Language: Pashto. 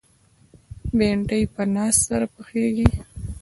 بېنډۍ په ناز سره پخېږي